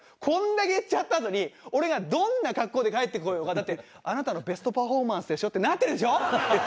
こんだけ言っちゃったあとに俺がどんな格好で帰ってこようがだってあなたのベストパフォーマンスでしょってなってるでしょ？